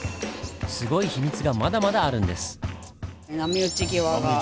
すごい秘密がまだまだあるんです。